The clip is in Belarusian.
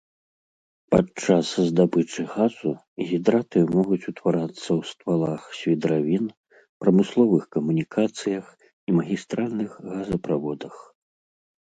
Падчас здабычы газу гідраты могуць утварацца ў ствалах свідравін, прамысловых камунікацыях і магістральных газаправодах.